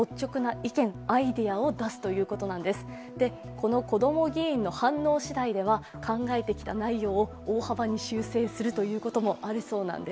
こども議員の反応しだいでは考えてきた内容を大幅に修正するということもあるそうなんです。